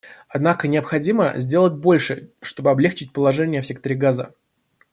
Однако необходимо сделать больше, чтобы облегчить положение в секторе Газа.